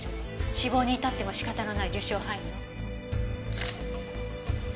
死亡に至っても仕方のない受傷範囲よ。